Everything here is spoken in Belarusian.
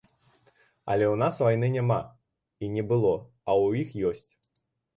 Але ў нас вайны няма і не было, а ў іх ёсць.